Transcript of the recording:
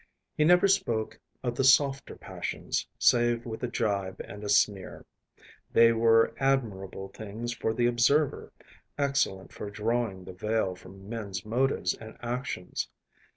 He never spoke of the softer passions, save with a gibe and a sneer. They were admirable things for the observer‚ÄĒexcellent for drawing the veil from men’s motives and actions.